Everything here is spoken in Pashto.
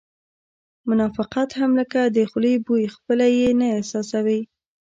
منافقت هم لکه د خولې بوی خپله یې نه احساسوې